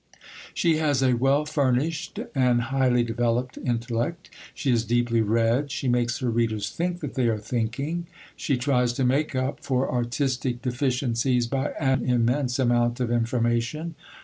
She has a well furnished and highly developed intellect; she is deeply read; she makes her readers think that they are thinking. She tries to make up for artistic deficiencies by an immense amount of information.